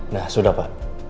nah sudah pak